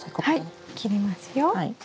はい切りますよ。